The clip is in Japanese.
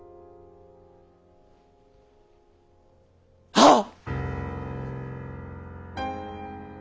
はっ！